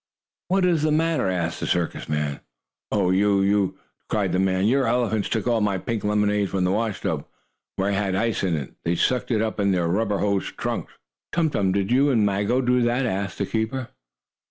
"What is the matter?" asked the circus man. "Oh, yoy! Yoy!" cried the man. "Your elephants took all my pink lemonade, from the washtub where I had ice in it! They sucked it up in their rubber hose trunks!" "Tum Tum, did you and Maggo do that?" asked the keeper.